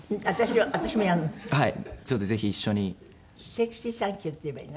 「セクシーサンキュー」って言えばいいの？